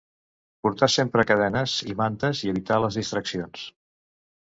Portar sempre cadenes i mantes i evitar les distraccions.